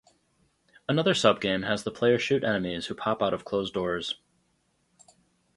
Another subgame has the player shoot enemies who pop out of closed doors.